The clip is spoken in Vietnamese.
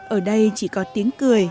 ở đây chỉ có tiếng cười